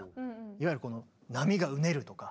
いわゆる波がうねるとか。